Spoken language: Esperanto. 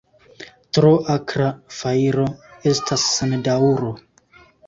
Tro akra fajro estas sen daŭro.